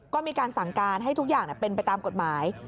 ก็มีการสั่งการให้ทุกอย่างเป็นไปตามกฎหมาย